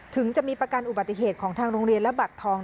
ถึงจะมีประกันอุบัติเหตุของทางโรงเรียนและบัตรทอง